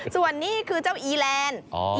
ส่วนนี้คือเจ้าอีแลนด์